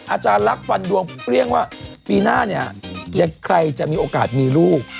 อาจารย์ลักษณ์ดวงเรียกว่าปีหน้าใครจะมีโอกาสมีลูก